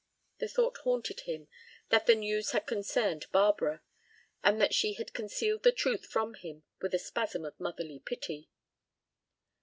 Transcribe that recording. The thought haunted him that the news had concerned Barbara, and that she had concealed the truth from him with a spasm of motherly pity.